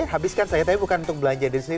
habiskan saya tapi bukan untuk belanja di sini